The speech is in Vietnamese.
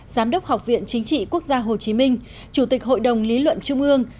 giám đốc học viện chính trị quốc gia hồ chí minh chủ tịch hội đồng lý luận trung ương